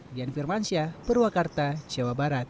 dian firmansyah purwakarta jawa barat